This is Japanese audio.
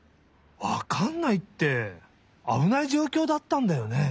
わかんないってあぶないじょうきょうだったんだよね？